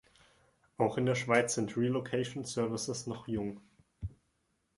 Auch in der Schweiz sind Relocation Services noch jung.